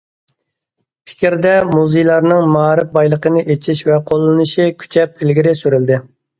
« پىكىر» دە مۇزېيلارنىڭ مائارىپ بايلىقىنى ئېچىش ۋە قوللىنىشى كۈچەپ ئىلگىرى سۈرۈلدى.